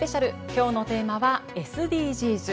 今日のテーマは「ＳＤＧｓ」。